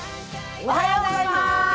おはようございます。